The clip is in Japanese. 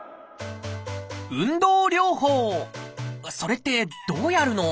それってどうやるの？